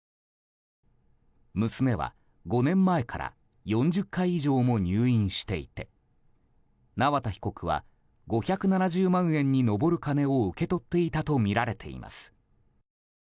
娘は５年前から４０回以上も入院していて縄田被告は５７０万円に上る金を受け取っていたとみられています。